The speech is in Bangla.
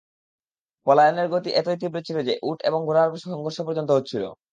পলায়নের গতি এতই তীব্র ছিল যে উট এবং ঘোড়ার সংঘর্ষ পর্যন্ত হচ্ছিল।